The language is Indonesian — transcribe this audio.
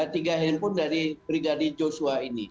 tiga handphone dari brigadir joshua ini